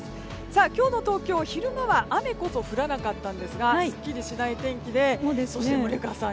今日の東京、昼間は雨こそ降らなかったんですがすっきりしない天気でそして森川さん